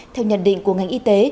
theo nhận định của ngành y tế